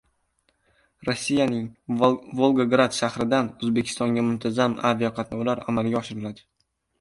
Rossiyaning Volgograd shahridan O‘zbekistonga muntazam aviaqatnovlar amalga oshiriladi